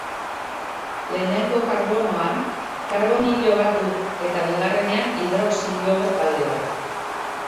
Lehenengo karbonoan karbonilo bat du eta bigarrenean hidroxilo talde bat.